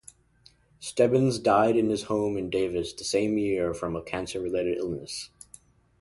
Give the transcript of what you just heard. Stebbins died in his home in Davis the same year from a cancer-related illness.